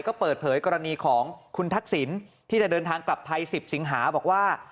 ก็เปิดเผยกรณีของคุณทักษิณที่จะเดินทางกลับไทย๑๐สิงหาบอกว่า